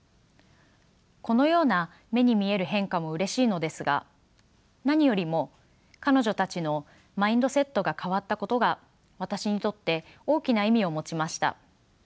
このような目に見える変化もうれしいのですが何よりも彼女たちのマインドセットが変わったことが私にとって大きな意味を持ちました。